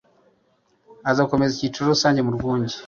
aza gukomereza icyiciro rusange mu Rwunge